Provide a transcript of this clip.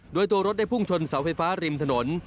โดยตัวรถได้พุ่งชนเสาไฟฟ้าริมถนน